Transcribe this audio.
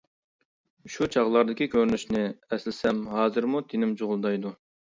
شۇ چاغلاردىكى كۆرۈنۈشنى ئەسلىسەم ھازىرمۇ تىنىم جۇغۇلدايدۇ.